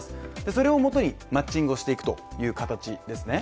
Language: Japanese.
それをもとにマッチングしていくという形ですね。